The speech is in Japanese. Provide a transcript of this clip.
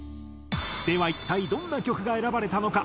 では一体どんな曲が選ばれたのか？